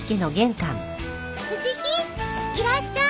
藤木いらっしゃい。